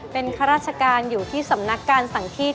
เป็นข้าราชการอยู่ที่สำนักการสั่งที่